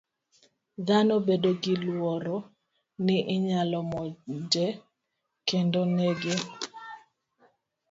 Dhano bedo gi luoro ni inyalo monje kendo nege.